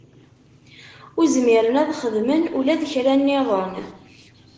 Ur zmiren ad xedmen ula d kra nniḍen.